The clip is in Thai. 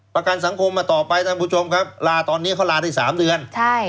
ประกันสังคมมาต่อไปท่านผู้ชมครับลาตอนนี้เขาลาได้๓เดือนใช่